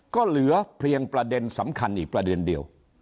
ก็เหลือเพียงประเด็นสำคัญอีกประเด็นเดียว